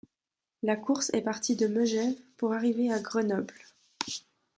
La course est partie de Megève pour arriver à Grenoble.